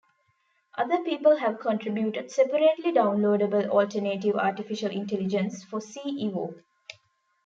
Other people have contributed separately downloadable alternative artificial intelligences for "C-evo".